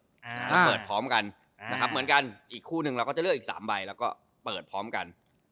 ถ้าเปิดพร้อมกันนะครับเหมือนกันอีกคู่หนึ่งเราก็จะเลือกอีก๓ใบแล้วก็เปิดพร้อมกัน